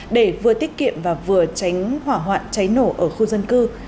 để vừa tiết kiệm và vừa tránh hỏa hoạn cháy nổ ở khu dân cư